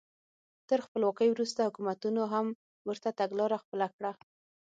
تر خپلواکۍ وروسته حکومتونو هم ورته تګلاره خپله کړه.